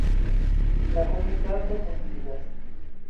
La komitato kunsidas.